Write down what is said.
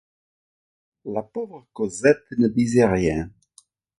La pauvre Cosette ne disait rien.